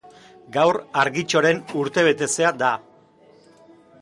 Gaur Argitxoren urtebetetzea da.